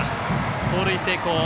盗塁成功。